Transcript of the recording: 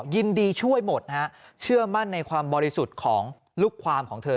ยินดีช่วยหมดฮะเชื่อมั่นในความบริสุทธิ์ของลูกความของเธอ